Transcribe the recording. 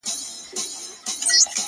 • تا چي نن په مينه راته وكتل ـ